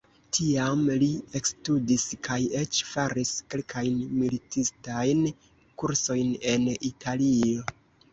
Tiam li ekstudis kaj eĉ faris kelkajn militistajn kursojn en Italio.